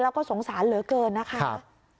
แล้วก็สงสารเหลือเกินนะคะ